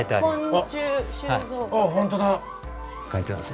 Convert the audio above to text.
あっ本当だ。